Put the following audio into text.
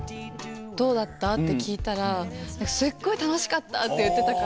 「どうだった？」って聞いたら「すっごい楽しかった！」って言ってたから。